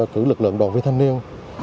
cử lực lượng đoàn viên thanh niên